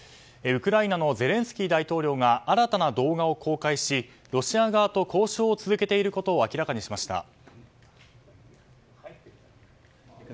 ウクライナのゼレンスキー大統領が新たな動画を公開しロシア側と交渉を続けていることを明らかにしました。